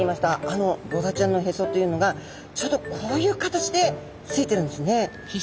あのボラちゃんのへそというのがちょうどこういう形でついてるんですね。